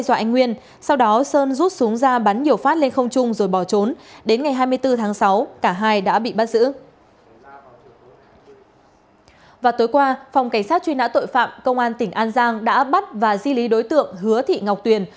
cảnh sát truy nã tội phạm công an tỉnh an giang đã bắt và di lý đối tượng hứa thị ngọc tuyền